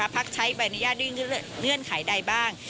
พักใช้ใบอนุญาตด้วยเงื่อนไขใดบ้าง